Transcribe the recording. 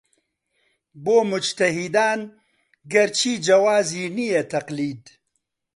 بۆ موجتەهیدان گەرچی جەوازی نییە تەقلید